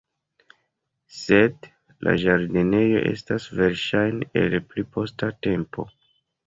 Sed la ĝardenoj estas verŝajne el pli posta tempo.